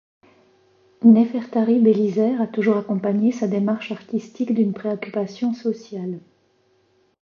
Nefertari Bélizaire a toujours accompagné sa démarche artistique d'une préoccupation sociale.